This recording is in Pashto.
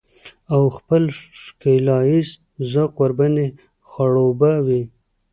او خپل ښکلاييز ذوق ورباندې خړوبه وي.